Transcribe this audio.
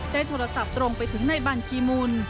โทรศัพท์ตรงไปถึงในบัญชีมูล